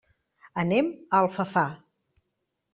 Anem a Alfafar.